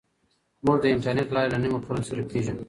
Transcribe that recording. موږ د انټرنیټ له لارې له نویو خلکو سره پېژنو.